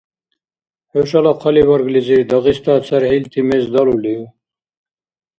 ХӀушала хъалибарглизир Дагъиста цархӀилти мез далулив?